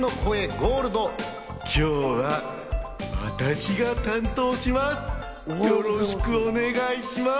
ゴールド、今日は私が担当します。